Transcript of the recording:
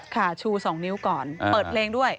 ค่ะชู๒นิ้วก่อนเปิดเพลงด้วย